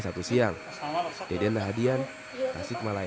kita sampaikan juga dan mereka kembali